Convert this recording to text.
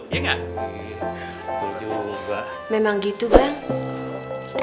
iya gak iya betul juga memang gitu bang lu juga sering bilang insya allah ada hak hak yang bisa diberikan